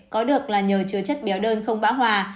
có được là nhờ chứa chất béo đơn không bão hòa